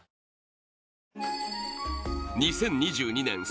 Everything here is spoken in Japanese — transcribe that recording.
２０２２年